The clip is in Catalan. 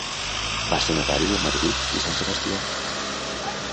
Va ser notari de Madrid i Sant Sebastià.